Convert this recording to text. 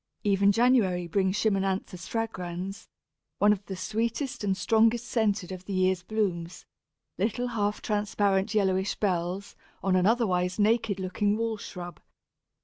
Even January brings Chimonanthus fragrans, one of the sweetest and strongest scented of the year's blooms little half transparent yellowish bells on an otherwise naked looking wall shrub.